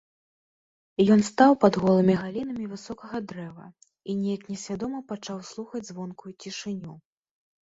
Ён стаў пад голымі галінамі высокага дрэва і нейк несвядома пачаў слухаць звонкую цішыню.